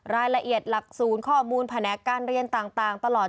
รายละเอียดหลักศูนย์ข้อมูลแผนกการเรียนต่างตลอด